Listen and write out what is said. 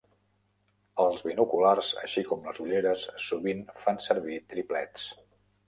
Els binoculars, així com les ulleres sovint fan servir triplets.